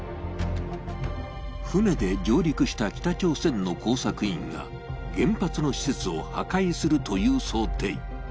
船で上陸した北朝鮮の工作員が原発の施設を破壊するという想定。